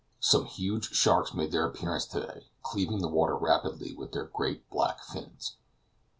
Some huge sharks made their appearance to day, cleaving the water rapidly with their great black fins.